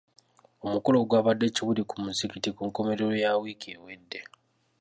Omukolo gwabadde Kibuli ku muzigiti ku nkomerero ya wiiki ewedde.